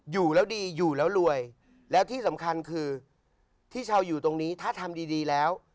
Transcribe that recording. อยู่แล้วดีอยู่แล้วรวยแล้วที่สำคัญคือที่ชาวอยู่ตรงนี้ถ้าทำดีดีแล้ว